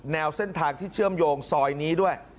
เส้นทางที่เชื่อมโยงซอยนี้ด้วย